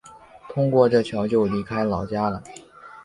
通过这桥就离开老家了